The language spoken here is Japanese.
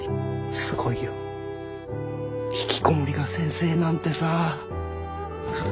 すごいよひきこもりが先生なんてさ。